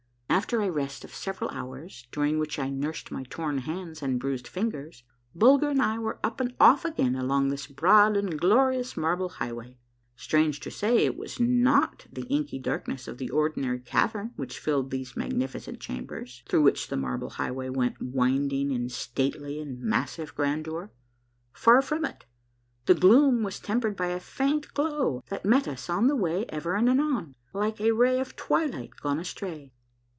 After a rest of several hours, during which I nursed my torn hands and bruised fingers, Bulger and I were up and off again along this broad and glorious Marble Highway. Strange to say, it was not the inky darkness of the ordinary cavern which filled these magnificent chambers, through which the Marble Highway went winding in stately and massive grandeur ; far from it. The gloom was tempered by a faint glow that met us on the way ever and anon, like a ray of twilight gone astray.